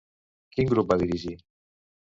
Quin grup va dirigir?